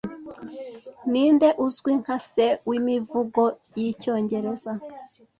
Ninde uzwi nka Se wimivugo yicyongereza